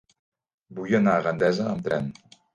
Vull anar a Gandesa amb tren.